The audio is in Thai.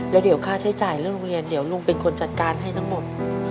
แล้วเดี๋ยวค่าใช้จ่ายเรื่องโรงเรียนเดี๋ยวลุงเป็นคนจัดการให้ทั้งหมด